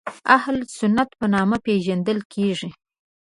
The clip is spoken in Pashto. اهل سنت په نامه پېژندل کېږي.